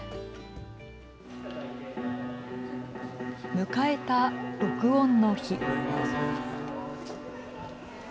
迎えた録音の日。